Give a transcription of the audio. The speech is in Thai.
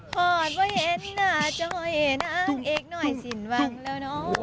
พอดว่าเห็นหน้าจ้อยน้างเอกหน่อยสินวังแล้วน้อง